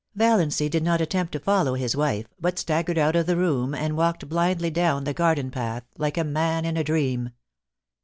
Vallancy did not attempt to follow his wife, but staggered out of the room and walked blindly down the garden path, like a man in a dream.